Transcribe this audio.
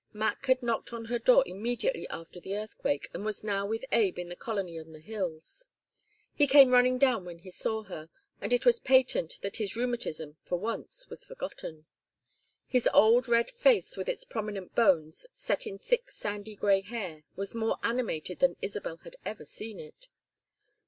Mac had knocked on her door immediately after the earthquake, and was now with Abe in the colony on the hills. He came running down when he saw her, and it was patent that his rheumatism, for once, was forgotten. His old red face with its prominent bones set in thick sandy gray hair was more animated than Isabel had ever seen it.